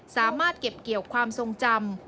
สามารถเก็บเกี่ยวความทรงจำ